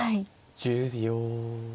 １０秒。